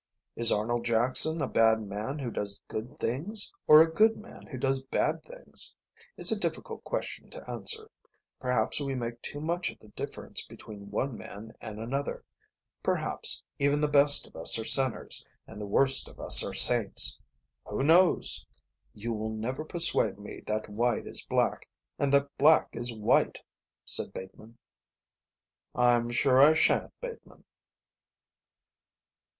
Is Arnold Jackson a bad man who does good things or a good man who does bad things? It's a difficult question to answer. Perhaps we make too much of the difference between one man and another. Perhaps even the best of us are sinners and the worst of us are saints. Who knows?" "You will never persuade me that white is black and that black is white," said Bateman. "I'm sure I shan't, Bateman."